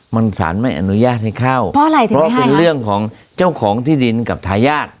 มันสารไม่อนุญาตให้เข้าเพราะอะไรที่เพราะเป็นเรื่องของเจ้าของที่ดินกับทายาท